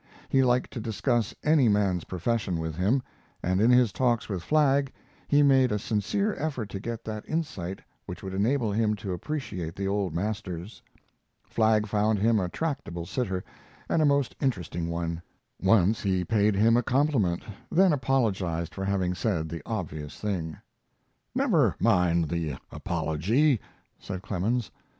He liked to discuss any man's profession with him, and in his talks with Flagg he made a sincere effort to get that insight which would enable him to appreciate the old masters. Flagg found him a tractable sitter, and a most interesting one. Once he paid him a compliment, then apologized for having said the obvious thing. "Never mind the apology," said Clemens.